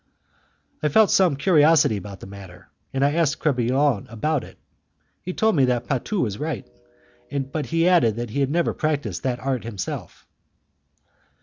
I felt some curiosity about the matter, and I asked Crebillon about it. He told me that Fatu was right, but he added that he had never practised that art himself.